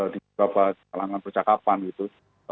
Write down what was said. di kalangan percakapan gitu